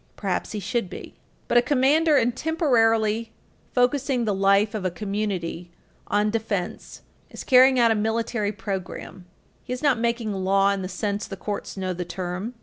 Perhaps he should be. But a commander, in temporarily focusing the life of a community on defense, is carrying out a military program; he is not making law in the sense the courts know the term.